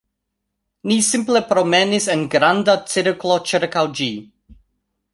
Ni simple promenis en granda cirklo ĉirkaŭ ĝi